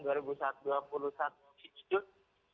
di tahun dua ribu dua puluh satu